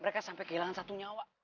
mereka sampai kehilangan satu nyawa